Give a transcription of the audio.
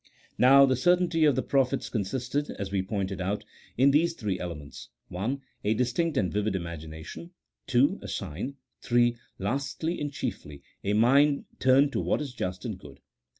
Now the certainty of the prophets consisted (as we pointed out) in these three elements :— (I.) A distinct and vivid imagination. (II.) A sign. (III.) Lastly, and chiefly, a mind turned to what is just and good.